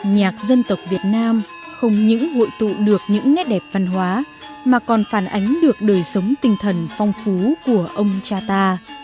nhạc dân tộc việt nam không những hội tụ được những nét đẹp văn hóa mà còn phản ánh được đời sống tinh thần phong phú của ông cha ta